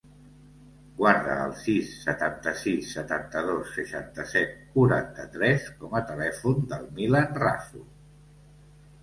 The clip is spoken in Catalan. Guarda el sis, setanta-sis, setanta-dos, seixanta-set, quaranta-tres com a telèfon del Milan Raso.